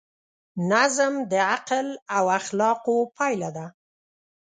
نظم د عقل او اخلاقو پایله ده.